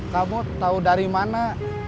kamu tau dari mana